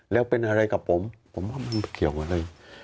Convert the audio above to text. แล้วเป็นอะไรกับผมผมว่ามันเกี่ยวอะไร